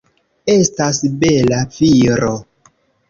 Estas bela viro.